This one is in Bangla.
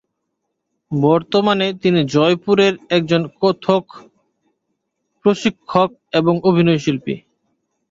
বর্তমানে তিনি জয়পুরের একজন কত্থক প্রশিক্ষক এবং অভিনয়শিল্পী।